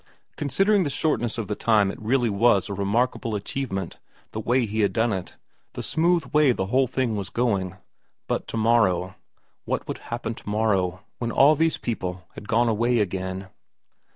Considering the shortness of the time it really was a remarkable achievement, the way he had done it, the smooth way the whole thing was going. But to morrow, what would happen to morrow, when all these people had gone away again